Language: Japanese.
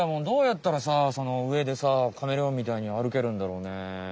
どうやったらさその上でさカメレオンみたいにあるけるんだろうね。